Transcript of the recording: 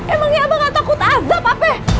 emangnya abang gak takut azab apa